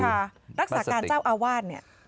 นักศึกษากาลเจ้าอาวาท